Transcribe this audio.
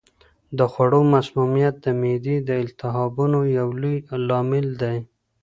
د خوړو مسمومیت د معدې د التهابونو یو لوی لامل دی.